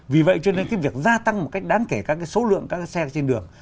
vì vậy cho nên cái việc gia tăng một cách đáng kể các số lượng các cái xe trên đường